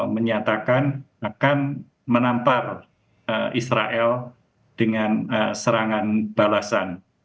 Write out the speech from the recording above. menyatakan akan menampar israel dengan serangan balasan